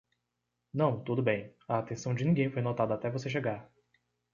Não, tudo bem, a atenção de ninguém foi notada até você chegar.